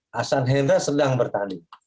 hasan hendrak sedang bertanding